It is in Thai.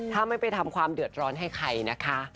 ถ้าไม่ไปทำความเดือดร้อนให้ใครนะคะ